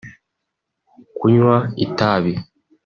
kunywa itabi